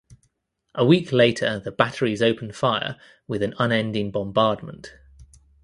A week later the batteries opened fire with an unending bombardment.